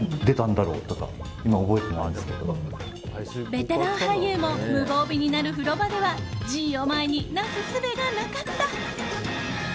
ベテラン俳優も無防備になる風呂場ではＧを前に、なすすべがなかった。